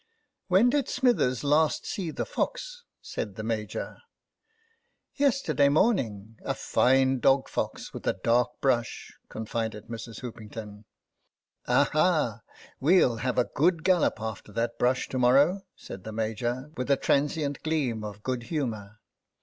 " When did Smithers last see that fox ?" said the Major. '* Yesterday morning; a fine dog fox, with a dark brush,'' confided Mrs. Hoopington, " Aha, we'll have a good gallop after that brush to morrow," said the Major, with a transient gleam of good humour.